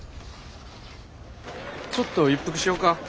ちょっと一服しようか。